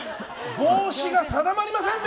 帽子が定まりませんね。